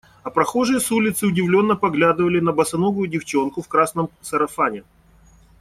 А прохожие с улицы удивленно поглядывали на босоногую девчонку в красном сарафане.